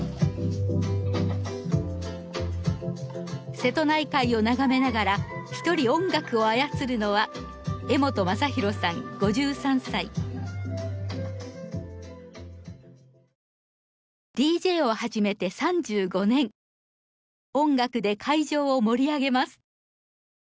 瀬戸内海を眺めながら一人音楽を操るのは音楽で会場を盛り上げます。